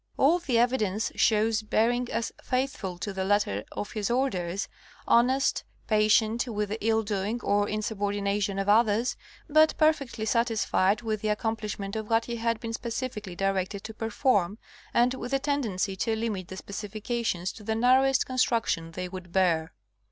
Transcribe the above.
All the evidence shows Bering as faithful to the letter of his orders, honest, patient with the ill doing or insubordination of others, but per fectly satisfied with the accomplishment of what he had been specifically directed to perform, and with a tendency to limit the specifications to the narrowest construction they would bear.